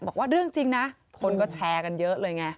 บอกว่าเรื่องจริงนะคนก็แชร์กันเยอะเลยไง